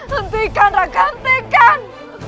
hentikan rakan hentikan